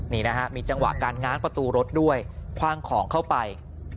นี่นะฮะมีจังหวะการง้างประตูรถด้วยคว่างของเข้าไป